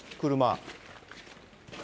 車。